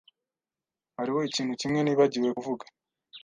Hariho ikintu kimwe nibagiwe kuvuga.